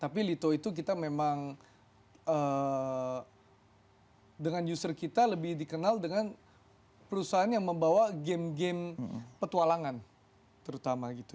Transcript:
tapi lito itu kita memang dengan user kita lebih dikenal dengan perusahaan yang membawa game game petualangan terutama gitu